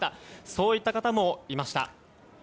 そういった方もいました。